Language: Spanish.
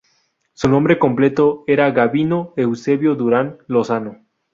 Su nombre completo era Gabino Eusebio Duran Lozano.